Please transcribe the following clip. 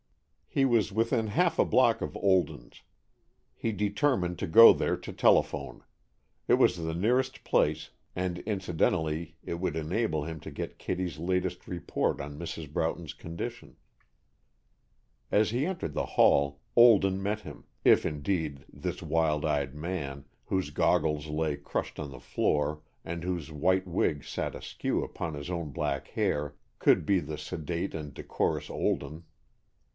He was within half a block of Olden's. He determined to go there to telephone. It was the nearest place and incidentally it would enable him to get Kittie's latest report on Mrs. Broughton's condition. As he entered the hall. Olden met him, if indeed this wild eyed man, whose goggles lay crushed on the floor and whose white wig sat askew upon his own black hair, could be the sedate and decorous Olden.